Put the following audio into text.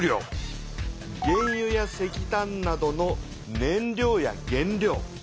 原油や石炭などの燃料や原料。